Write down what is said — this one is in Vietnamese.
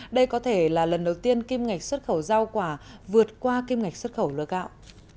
đây có thể là lần đầu tiên kim ngạch xuất khẩu rau quả vượt qua kim ngạch xuất khẩu lúa gạo